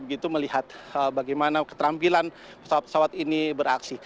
begitu melihat bagaimana keterampilan pesawat pesawat ini beraksi